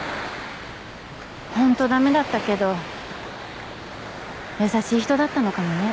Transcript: ホント駄目だったけど優しい人だったのかもね。